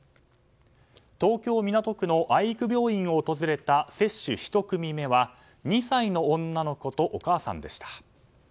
東京・港区の愛育病院を訪れた接種１組目は２歳の女の子とお母さんでした。